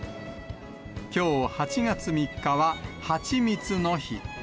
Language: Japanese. きょう８月３日は蜂蜜の日。